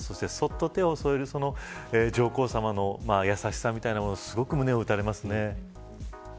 そして、そっと手を添える上皇さまの優しさみたいなものすごく胸を打たれますね。